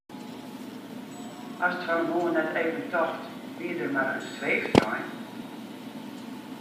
Hast fan 'e moarn net even tocht wie der mar in sweeftrein?